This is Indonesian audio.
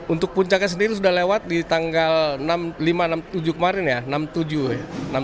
untuk puncaknya sendiri sudah lewat di tanggal lima tujuh kemarin tepatnya di tanggal tujuh puncaknya